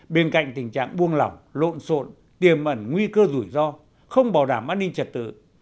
bên cạnh tình trạng buông lỏng lộn xộn tiềm ẩn nguy cơ rủi ro không bảo đảm an ninh trật tự